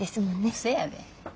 そやで。